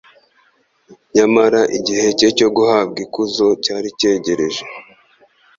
Nyamara igihe cye cyo guhabwa ikuzo cyari cyegereje.